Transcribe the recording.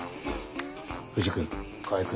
藤君川合君